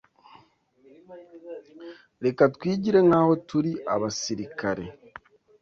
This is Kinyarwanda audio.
Reka twigire nkaho turi abasirikare.